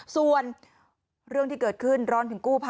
ส่วนเรื่องที่เกิดขึ้นร้อนถึงกู้ภัย